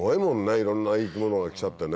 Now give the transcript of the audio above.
いろんな生き物が来ちゃってね。